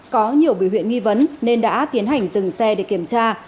có nhiều bị huyện nghi vấn nên đã tiến hành dừng xe để kiểm tra